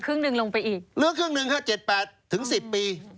เหลือครึ่งหนึ่งครับ๗๘ถึง๑๐ปี